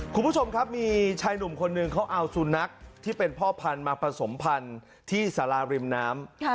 คุณผู้ชมครับมีชายหนุ่มคนหนึ่งเขาเอาสุนัขที่เป็นพ่อพันธุ์มาผสมพันธุ์ที่สาราริมน้ำ